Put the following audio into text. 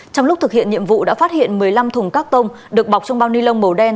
trong lúc thực hiện nhiệm vụ đã phát hiện một mươi năm thùng các tông được bọc trong bao ni lông màu đen